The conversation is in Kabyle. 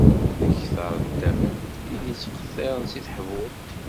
Akter n tament i d-ittqiṭṭiren si teḥbult.